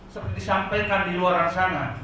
seperti disampaikan di luar sana